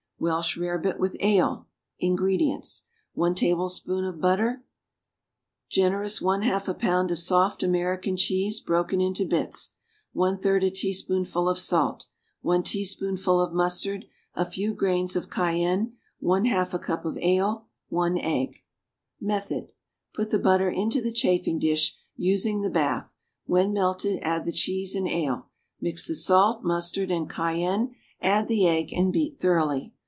=Welsh Rarebit with Ale.= INGREDIENTS. 1 tablespoonful of butter. Generous 1/2 a pound of soft American cheese, broken into bits. 1/3 a teaspoonful of salt. 1 teaspoonful of mustard. A few grains of cayenne. 1/2 a cup of ale. 1 egg. Method. Put the butter into the chafing dish (using the bath); when melted, add the cheese and ale. Mix the salt, mustard and cayenne, add the egg, and beat thoroughly.